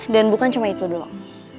dan bukan cuma itu dong